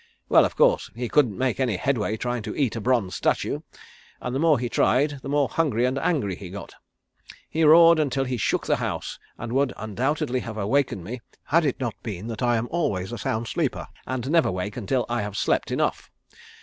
Well, of course, he couldn't make any headway trying to eat a bronze statue, and the more he tried the more hungry and angry he got. He roared until he shook the house and would undoubtedly have awakened me had it not been that I am always a sound sleeper and never wake until I have slept enough.